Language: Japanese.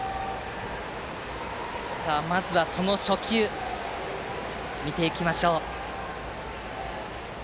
まずはその初球を見ていきましょう。